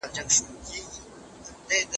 ډاکټر بالاتا وايي درملنه به ژر پیل شي.